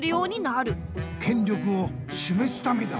権力をしめすためだ。